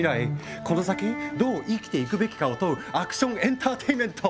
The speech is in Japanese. この先どう生きていくべきかを問うアクションエンターテインメント！